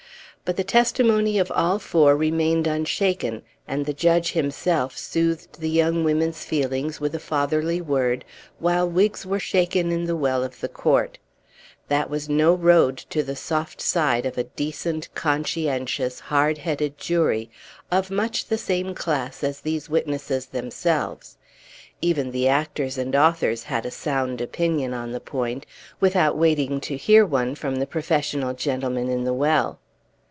But the testimony of all four remained unshaken; and the judge himself soothed the young women's feelings with a fatherly word, while wigs were shaken in the well of the court. That was no road to the soft side of a decent, conscientious, hard headed jury, of much the same class as these witnesses themselves; even the actors and authors had a sound opinion on the point, without waiting to hear one from the professional gentlemen in the well.